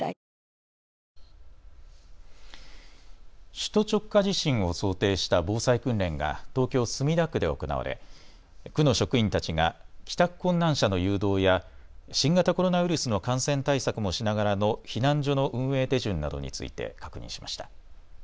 首都直下地震を想定した防災訓練が東京墨田区で行われ区の職員たちが帰宅困難者の誘導や新型コロナウイルスの感染対策もしながらの避難所の運営手順などについて確認しました。